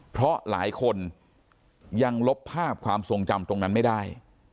เพราะหลายคนยังลบภาพความทรงจำตรงนั้นไม่ได้